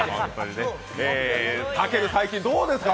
たける、最近どうですか？